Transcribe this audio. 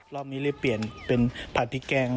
รอบนี้เลยเปลี่ยนเป็นผัดพริกแกง